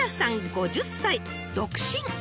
５０歳独身］